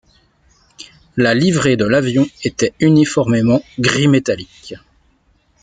La livrée de l'avion était uniformément gris métallique.